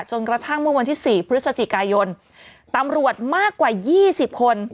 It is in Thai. จนกระทั่งเมื่อวันที่สี่พฤศจิกายนตำรวจมากกว่ายี่สิบคน